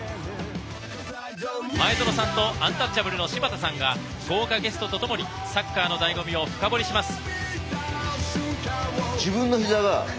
前園さんとアンタッチャブルの柴田さんが豪華ゲストとともにサッカーのだいご味を深掘りします。